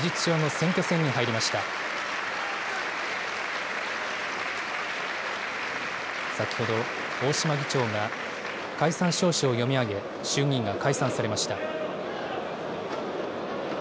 先ほど、大島議長が解散詔書を読み上げ、衆議院が解散されました。